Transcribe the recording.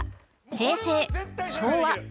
平成昭和